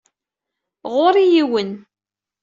Ɣur-i yiwen.